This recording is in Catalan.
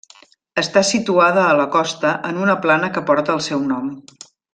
Està situada a la costa en una plana que porta el seu nom.